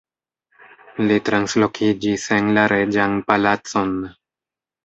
Li translokiĝis en la reĝan palacon.